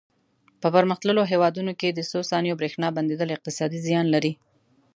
په پرمختللو هېوادونو کې د څو ثانیو برېښنا بندېدل اقتصادي زیان لري.